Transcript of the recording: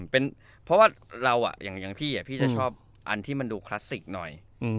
เพราะว่าเราอย่างพี่พี่จะชอบอันที่มันดูคลาสสิกหน่อย